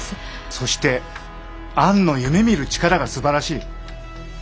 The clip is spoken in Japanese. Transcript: そしてアンの夢みる力がすばらしい。